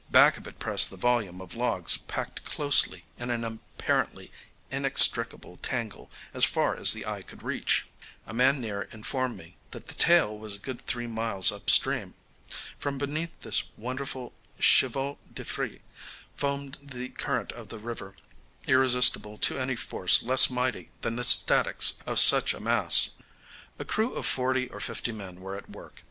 Back of it pressed the volume of logs packed closely in an apparently inextricable tangle as far as the eye could reach. A man near informed me that the tail was a good three miles up stream. From beneath this wonderful chevaux de frise foamed the current of the river, irresistible to any force less mighty than the statics of such a mass. A crew of forty or fifty men were at work.